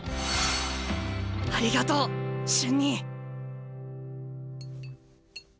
ありがとう瞬兄！